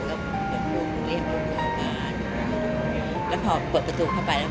ก็เปิดประตูเรียบเรียบบ้านแล้วพอเปิดประตูเข้าไปแล้ว